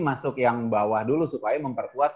masuk yang bawah dulu supaya memperkuat